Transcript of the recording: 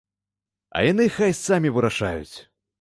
А яны хай самі вырашаюць.